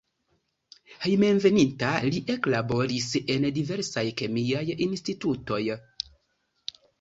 Hejmenveninta li eklaboris en diversaj kemiaj institutoj.